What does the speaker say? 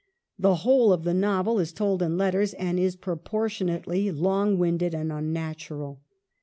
The whole of the novel is told in letters, and is proportionately long winded and unnatural.